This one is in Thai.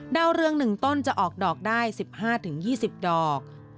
ดาวเรือง๑ต้นจะออกดอกได้๑๕๒๐ดอก